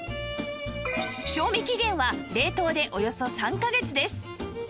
賞味期限は冷凍でおよそ３カ月です